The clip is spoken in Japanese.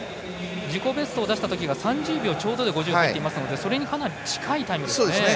自己ベストを出したときが３０秒丁度で５０に入っていますのでそれにかなり近いタイムですね。